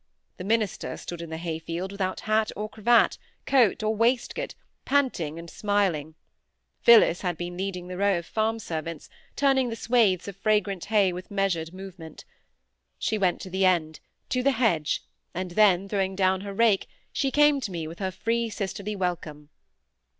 The minister stood in the hay field, without hat or cravat, coat or waistcoat, panting and smiling. Phillis had been leading the row of farm servants, turning the swathes of fragrant hay with measured movement. She went to the end—to the hedge, and then, throwing down her rake, she came to me with her free sisterly welcome.